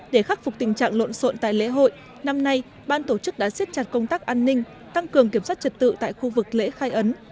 để khắc phục tình trạng lộn xộn tại lễ hội năm nay ban tổ chức đã xếp chặt công tác an ninh tăng cường kiểm soát trật tự tại khu vực lễ khai ấn